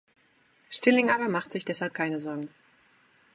Stilling aber macht sich deshalb keine Sorgen.